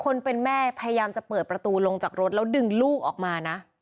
คนเป็นแม่พยายามจะเปิดประตูลงจากรถแล้วดึงลูกออกมานะ